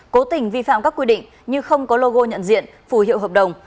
cố tình vi phạm các quy định như không có logo nhận diện phù hiệu hợp đồng